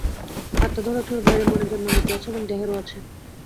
আত্মা ধরা-ছোঁয়ার বাইরে, মনের জন্ম-মৃত্যু আছে, এবং দেহেরও আছে।